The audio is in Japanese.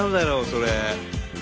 それ。